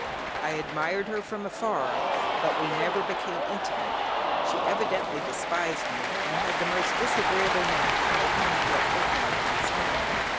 I admired her from afar, but we never became intimate; she evidently despised me, and had the most disagreeable knack of making me feel ignorant and small.